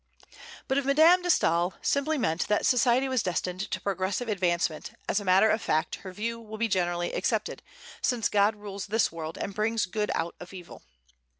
But if Madame de Staël simply meant that society was destined to progressive advancement, as a matter of fact her view will be generally accepted, since God rules this world, and brings good out of evil.